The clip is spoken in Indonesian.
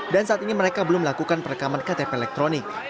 dan saat ini mereka belum melakukan perekaman ktp elektronik